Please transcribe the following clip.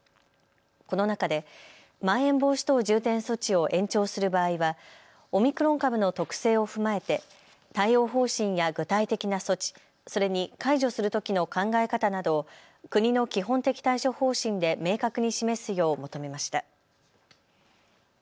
この中でまん延防止等重点措置を延長する場合はオミクロン株の特性を踏まえて対応方針や具体的な措置、それに解除するときの考え方などを国の基本的対処方針で明確に示すよう求めました。